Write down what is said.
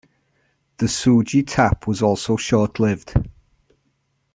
The Sugi Tap was also short lived.